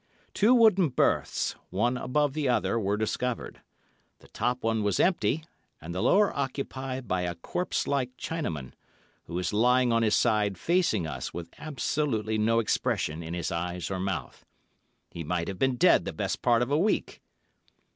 Two wooden berths, one above the other, were discovered; the top one was empty, and the lower occupied by a corpse like Chinaman, who was lying on his side, facing us, with absolutely no expression in his eyes or mouth. He might have been dead the best part of a week.